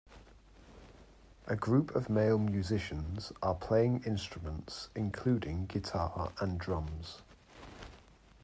A group of male musicians are playing instruments including guitar and drums.